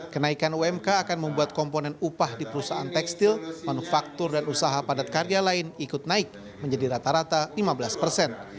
kenaikan umk akan membuat komponen upah di perusahaan tekstil manufaktur dan usaha padat karya lain ikut naik menjadi rata rata lima belas persen